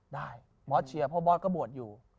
ได้บอสเชียร์เพราะบอสก็บวชอยู่